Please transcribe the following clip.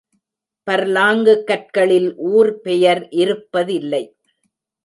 Furlong கற்களில் ஊர் பெயர் இருப்பதில்லை.